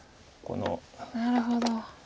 なるほど。